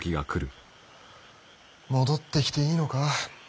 戻ってきていいのか。